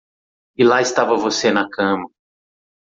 E lá estava você na cama.